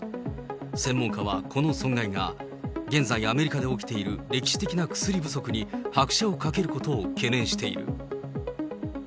専門家は、この損害が現在アメリカで起きている歴史的な薬不足に拍車をかけることを懸念している。